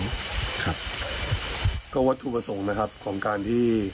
เพราะวัตถุประสงค์ของการที่